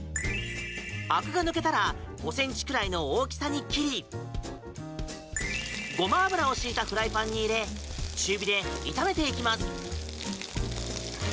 あくが抜けたら５ｃｍくらいの大きさに切りゴマ油を敷いたフライパンに入れ中火で炒めていきます。